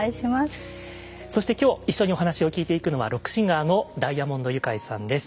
そして今日一緒にお話を聞いていくのはロックシンガーのダイアモンドユカイさんです。